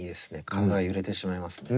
体が揺れてしまいますね。